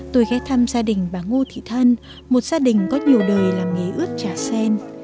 tôi ghé thăm gia đình bà ngô thị thân một gia đình có nhiều đời làm nghề ướt trà sen